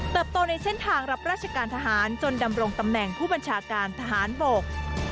โตในเส้นทางรับราชการทหารจนดำรงตำแหน่งผู้บัญชาการทหารบก